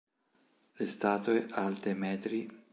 Le statue, alte m.